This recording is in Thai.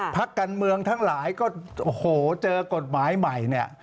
ภาคกันเมืองทั้งหลายก็เจอกฎหมายใหม่เนี่ย